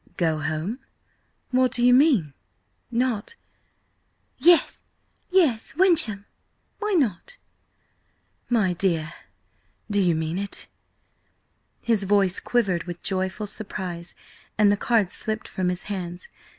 "Go home? What do you mean? Not—" "Yes, yes–Wyncham! Why not?" "My dear, do you mean it?" His voice quivered with joyful surprise, and the cards slipped from his hands.